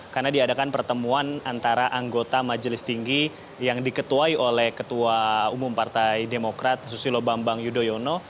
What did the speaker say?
karena diadakan pertemuan antara anggota majelis tinggi yang diketuai oleh ketua umum partai demokrat susilo bambang yudhoyono